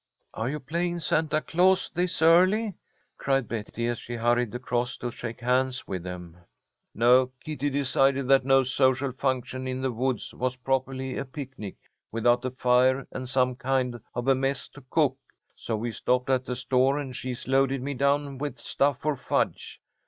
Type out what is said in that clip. "Are you playing Santa Claus this early?" cried Betty, as he hurried across to shake hands with them. "No; Kitty decided that no social function in the woods was properly a picnic without a fire and some kind of a mess to cook. So we stopped at the store, and she's loaded me down with stuff for fudge.